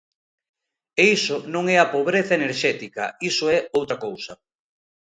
E iso non é a pobreza enerxética, iso é outra cousa.